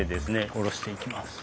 下ろしていきます。